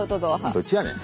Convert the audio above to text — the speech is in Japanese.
どっちやねん。